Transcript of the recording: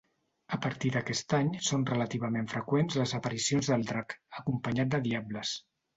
A partir d'aquest any són relativament freqüents les aparicions del Drac, acompanyat de diables.